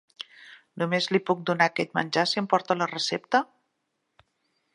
Només li puc donar aquest menjar si em porta la recepta?